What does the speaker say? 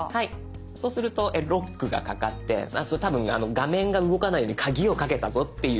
そうするとロックがかかって多分画面が動かないように鍵をかけたぞっていう。